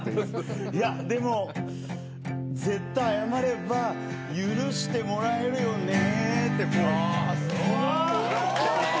いやでも絶対謝れば許してもらえるよね。